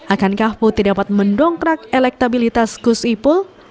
akankah putih dapat mendongkrak elektabilitas gus ipul